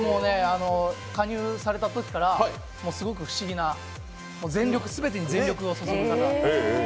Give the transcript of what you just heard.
加入されたときから、すごく不思議な、全てに全力を注ぐ方。